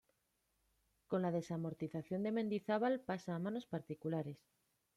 Con la desamortización de Mendizábal pasa a manos particulares.